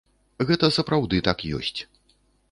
Гэта сапраўды так ёсць.